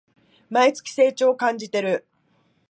毎月、成長を感じてる